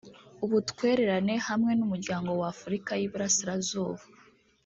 ubutwererane hamwe n’Umuryango w’Afurika y’Iburasirazuba